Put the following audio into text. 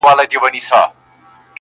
له تر بور سره پخوا هډونه مات وه٫